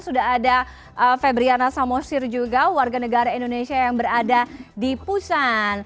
sudah ada febriana samosir juga warga negara indonesia yang berada di pusan